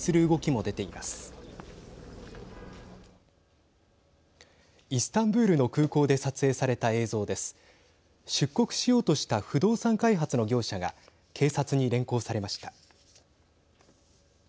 出国しようとした不動産開発の業者が警察に連行されました。